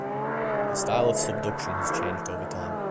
The style of subduction has changed over time.